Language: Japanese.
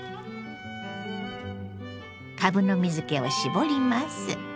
かぶの水けを絞ります。